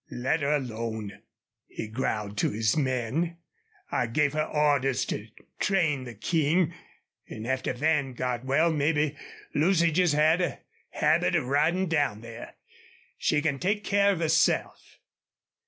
"Let her alone," he growled to his men. "I gave her orders to train the King. An' after Van got well mebbe Lucy just had a habit of ridin' down there. She can take care of herself."